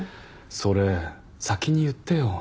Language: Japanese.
それ先に言ってよ。